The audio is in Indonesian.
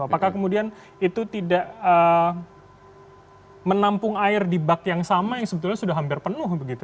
apakah kemudian itu tidak menampung air di bak yang sama yang sebetulnya sudah hampir penuh begitu